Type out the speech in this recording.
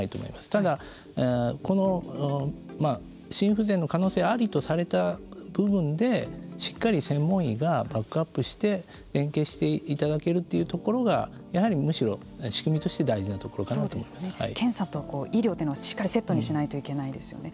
ただ、この心不全の可能性ありとされた部分でしっかり専門医がバックアップして連携していただけるというところがやはりむしろ仕組みとして検査と医療というのはしっかりセットにしないといけないですよね。